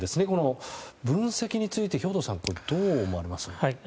この分析について兵頭さんどう思われますか。